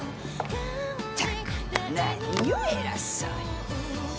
ったく何よ偉そうに。